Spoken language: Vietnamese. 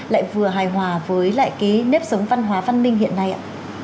lại vừa hài hòa với lại cái nếp sống văn hóa văn minh hiện nay ạ